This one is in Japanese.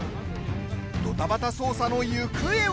ドタバタ捜査の行方は？